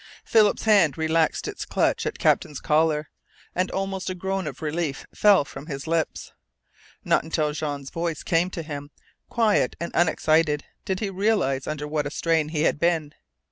Philip's hand relaxed its clutch at Captain's collar, and almost a groan of relief fell from his lips. Not until Jean's voice came to him, quiet and unexcited, did he realize under what a strain he had been.